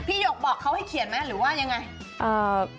หยกบอกเขาให้เขียนไหมหรือว่ายังไง